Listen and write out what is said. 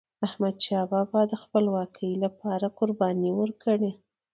احمدشاه بابا د خپلواکی لپاره قرباني ورکړې.